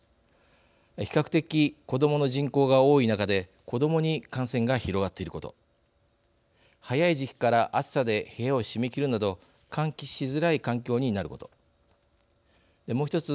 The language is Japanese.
比較的、子どもの人口が多い中で子どもに感染が広がっていること早い時期から暑さで部屋を閉め切るなど換気しづらい環境になることもうひとつ